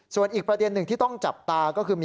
ส่วนอีกประเด็นหนึ่งที่ต้องจับตาก็คือมี